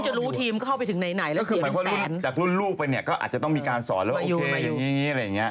จากรุ่นลูกไปก็อาจจะต้องมีการสอนแล้วโอเคอย่างนี้อะไรอย่างนี้